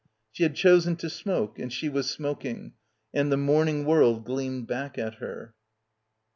She had chosen to smoke and she was smoking, and the morning world gleamed back at her.